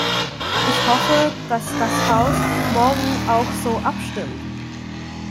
Ich hoffe, dass das Haus morgen auch so abstimmt!